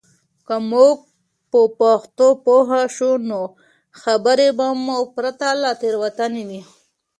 که موږ په پښتو پوه شو، نو خبرې به مو پرته له تېروتنې وي.